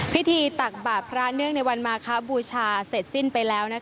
ตักบาทพระเนื่องในวันมาคบูชาเสร็จสิ้นไปแล้ว